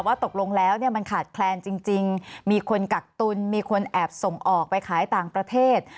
ตกลงแล้วมันขาดแคลนจริงมีคนกักตุลมีคนแอบส่งออกไปขายต่างประเทศ